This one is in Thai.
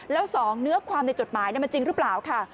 แล้ว๒เนื้อความในจดหมายมันจริงหรือเปล่าค่ะ